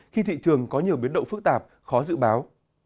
khi thị trường có nhiều biến động phức tạp khó dự báo